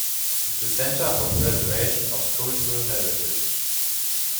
The Centre for Preservation of Cultural Heritage